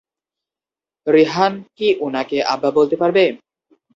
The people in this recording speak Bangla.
রেহান কি উনাকে আব্বা বলতে পারবে?